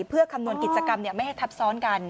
เพื่อคำนวณกิจกรรมไม่ให้ทับซ้อนกัน